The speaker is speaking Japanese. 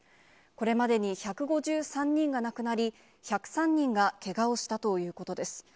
これまでに１５３人が亡くなり、１０３人がけがをしたということです。